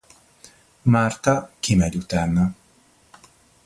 Martha kimegy utána.